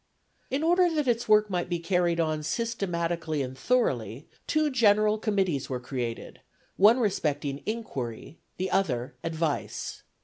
In order that its work might be carried on systematically and thoroughly two general committees were created, one respecting "inquiry," the other "advice."